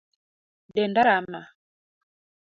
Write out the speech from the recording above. Denda rama